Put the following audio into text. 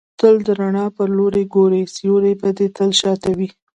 تل د رڼا پر لوري ګورئ! سیوری به دي تل شاته يي.